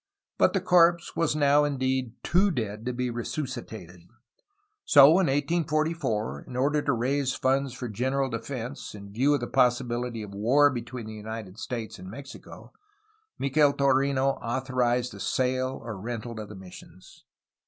But the corpse was now indeed ^^too dead'' to be resuscitated. So in 1844 (in order to raise funds for general defence, in view of the possibility of war between the United States and Mexico) Micheltorena au thorized the sale or rental of the missions.